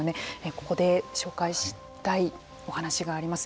ここで紹介したいお話があります。